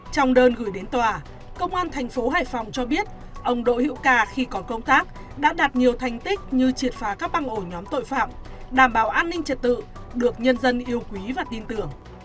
trong đơn gửi đến tòa công an thành phố hải phòng cho biết ông đỗ hữu ca khi còn công tác đã đạt nhiều thành tích như triệt phá các băng ổ nhóm tội phạm đảm bảo an ninh trật tự được nhân dân yêu quý và tin tưởng